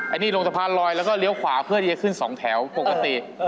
อันนี้ลงสะพานลอยแล้วก็เลี้ยวขวาเพื่อที่จะขึ้นสองแถวปกติ